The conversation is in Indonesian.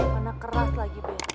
mana keras lagi be